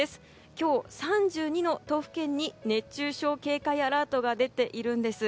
今日、３２の都府県に熱中症警戒アラートが出ているんです。